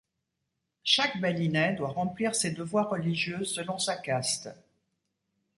Chaque Balinais doit remplir ses devoirs religieux selon sa caste.